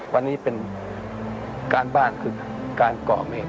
วันนี้เป็นการบ้านคือการก่อเหตุ